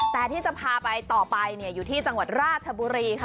แต่ที่จะพาไปต่อไปอยู่ที่จังหวัดราชบุรีค่ะ